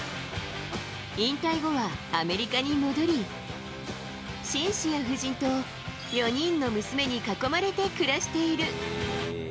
引退後はアメリカに戻り、シンシア夫人と４人の娘に囲まれて暮らしている。